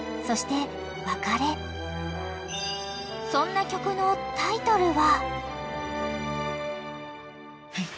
［そんな曲のタイトルは？］